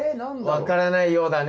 分からないようだね。